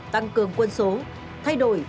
tăng cường quân số thay đổi